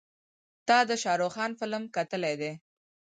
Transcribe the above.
تا د شارخ خان فلم کتلی دی.